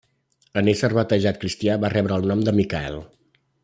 En ésser batejat cristià va rebre el nom Michael.